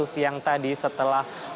satu siang tadi setelah